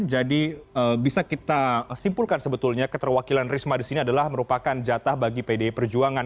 jadi bisa kita simpulkan sebetulnya keterwakilan rizuma di sini adalah merupakan jatah bagi pde perjuangan